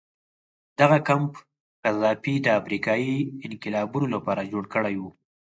دغه کمپ قذافي د افریقایي انقلابینو لپاره جوړ کړی و.